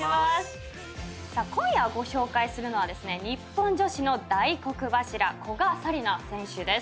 今夜ご紹介するのはですね日本女子の大黒柱古賀紗理那選手です。